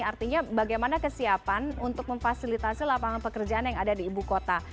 artinya bagaimana kesiapan untuk memfasilitasi lapangan pekerjaan yang ada di ibu kota